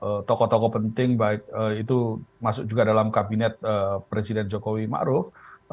kalau tokoh tokoh penting itu masuk juga dalam kabinet presiden jokowi ma'ruf